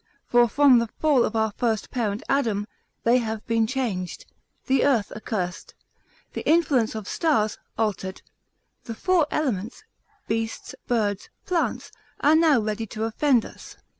For from the fall of our first parent Adam, they have been changed, the earth accursed, the influence of stars, altered, the four elements, beasts, birds, plants, are now ready to offend us.